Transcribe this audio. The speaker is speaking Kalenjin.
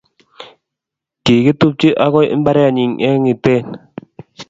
Kigitupchi agui mbarenyi eng Iten